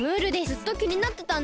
ずっときになってたんです。